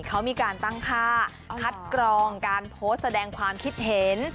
เขามีการตั้งค่าคัดกรองการโพสต์แสดงความคิดเห็น